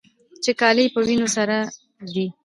چې کالي يې په وينو سره دي.